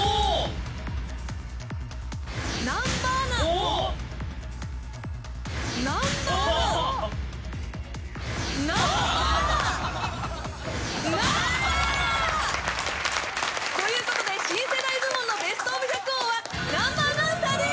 おおっおっということで新世代部門のベストオブ百王は南波アナウンサーです！